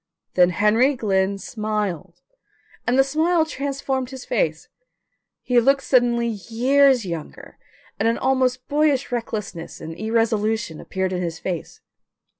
Then Henry Glynn smiled and the smile transformed his face. He looked suddenly years younger, and an almost boyish recklessness and irresolution appeared in his face.